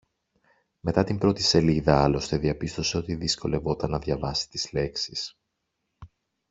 Μετά την πρώτη σελίδα άλλωστε διαπίστωσε ότι δυσκολευόταν να διαβάσει τις λέξεις